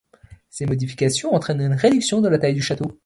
Ces modifications entraînent une réduction de la taille du château.